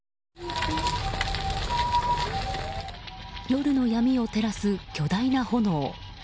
夜の闇を照らす、巨大な炎。